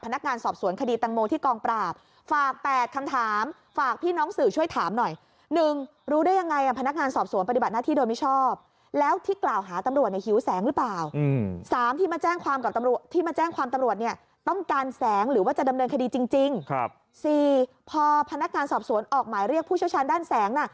๔พอพนักงานสอบสวนออกหมายเรียกผู้ช้าชาญด้านแสง